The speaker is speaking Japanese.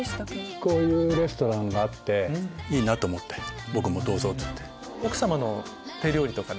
こういうレストランがあっていいと思って僕もどうぞって。